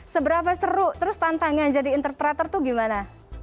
seberapa seru terus tantangan jadi interpreter tuh gimana